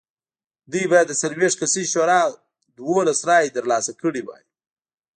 دوی باید له څلوېښت کسیزې شورا دولس رایې ترلاسه کړې وای